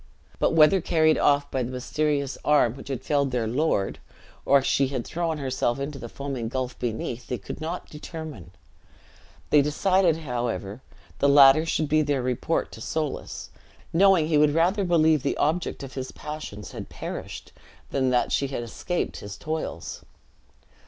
But whether carried off by the mysterious arm which had felled their lord, or she had thrown herself into the foaming gulf beneath, they could not determine. They decided, however, the latter should be their report to Soulis; knowing that he would rather believe the object of his passions had perished, than that she had escaped his toils.